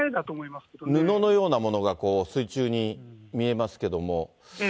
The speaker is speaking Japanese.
布のようなものが水中に見えますけども。